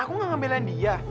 aku gak ngambil belayan dia